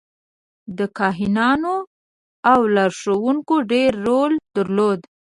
د کاهنانو او لارښوونکو ډېر رول درلود.